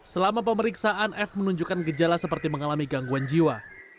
selama pemeriksaan f menunjukkan gejala seperti mengalami gangguan jiwa